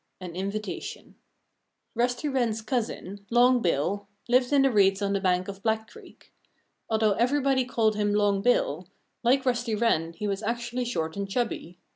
XX AN INVITATION Rusty Wren's cousin, Long Bill, lived in the reeds on the bank of Black Creek. Although everybody called him "Long Bill," like Rusty Wren he was actually short and chubby.